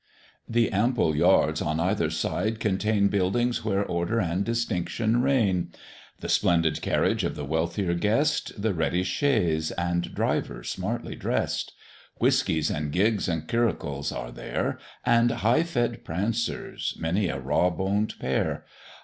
The ample yards on either side contain Buildings where order and distinction reign; The splendid carriage of the wealthier guest, The ready chaise and driver smartly dress'd; Whiskeys and gigs and curricles are there, And high fed prancers many a raw boned pair.